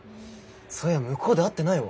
そういや向こうで会ってないわ。